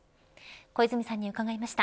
小泉さんに伺いました。